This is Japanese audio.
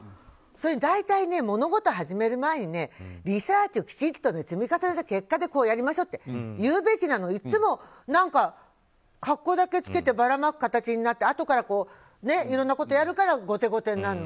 大体、物事始める前にリサーチをきちんと積み重ねた結果でやりましょうって言うべきなのにいつも格好だけつけてばらまく形になってあとからいろいろやるから後手後手になるの。